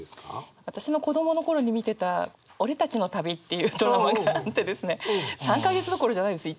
私の子どもの頃に見てた「俺たちの旅」っていうドラマがあってですね３か月どころじゃないんです。